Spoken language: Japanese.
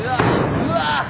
うわ！